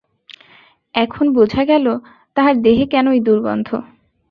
এখন বুঝা গেল, তাহার দেহে কেন ঐ দুর্গন্ধ।